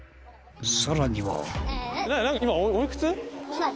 さらには。